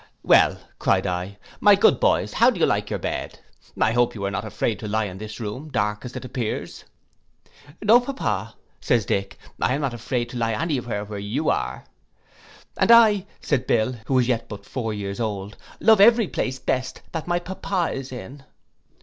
'Well,' cried I, 'my good boys, how do you like your bed? I hope you are not afraid to lie in this room, dark as it appears.' 'No, papa,' says Dick, 'I am not afraid to lie any where where you are.' 'And I,' says Bill, who was yet but four years old, 'love every place best that my papa is in.